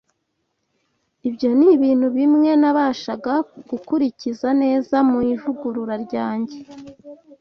Ibyo ni ibintu bimwe nabashaga gukurikiza neza mu ivugurura ryanjye;